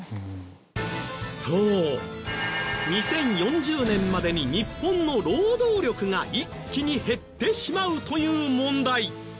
そう２０４０年までに日本の労働力が一気に減ってしまうという問題。